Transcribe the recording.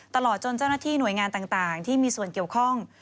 ตลอดจนเจ้าหน้าที่หน่วยงานต่างที่มีส่วนเกี่ยวข้อง